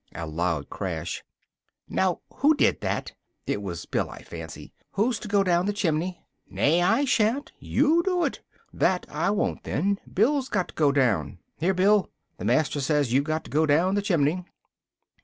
(a loud crash) "now, who did that? it was Bill, I fancy who's to go down the chimney? nay, I sha'n't! you do it! that I won't then Bill's got to go down here, Bill! the master says you've to go down the chimney!"